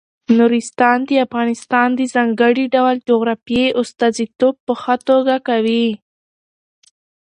نورستان د افغانستان د ځانګړي ډول جغرافیې استازیتوب په ښه توګه کوي.